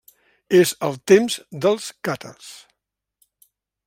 És el temps dels càtars.